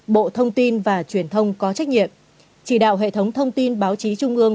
bộ thông tin và truyền thông có trách nhiệm chỉ đạo hệ thống thông tin báo chí trung ương